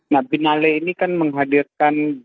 nah binale ini kan menghadirkan